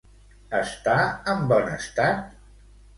Està en bon estat?